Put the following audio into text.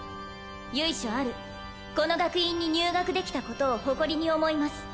由緒あるこの学院に入学できたことを誇りに思います